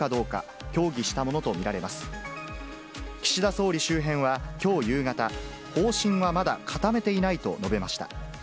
総理周辺はきょう夕方、方針はまだ固めていないと述べました。